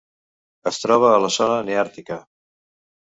Es troba a la zona neàrtica.